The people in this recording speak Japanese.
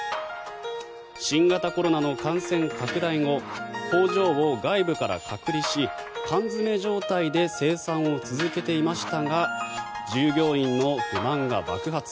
新型コロナの感染拡大後工場を外部から隔離し缶詰め状態で生産を続けていましたが従業員の不満が爆発。